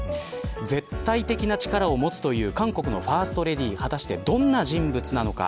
絶対的な力を持つという韓国のファーストレディー果たしてどんな人物なのか。